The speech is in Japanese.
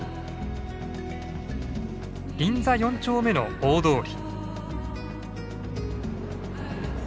銀座４丁目の大通り。